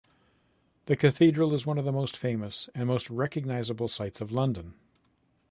The cathedral is one of the most famous and most recognisable sights of London.